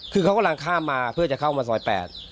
คือเขากำลังข้ามมาเพื่อจะเข้ามาซอย๘